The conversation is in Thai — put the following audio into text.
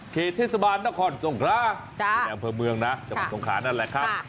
เหตุเทศบาลนครสงคราในอำเภอเมืองนะจังหวัดสงขานั่นแหละครับ